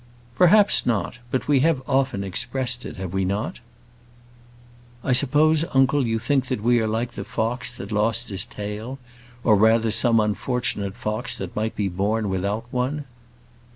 "Perhaps not; but we have often expressed it, have we not?" "I suppose, uncle, you think that we are like the fox that lost his tail, or rather some unfortunate fox that might be born without one."